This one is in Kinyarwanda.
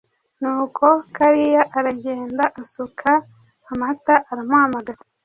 Nuko Kalira aragenda asuka amata aramuhamagara,